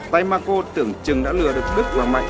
tay marco tưởng chừng đã lừa được đức và mạnh